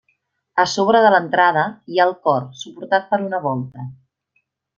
A sobre de l'entrada hi ha el cor suportat per una volta.